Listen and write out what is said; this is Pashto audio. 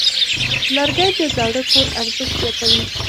لرګی د زاړه کور ارزښت زیاتوي.